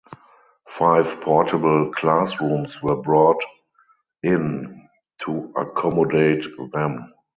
Five portable classrooms were brought in to accommodate them.